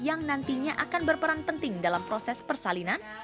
yang nantinya akan berperan penting dalam proses persalinan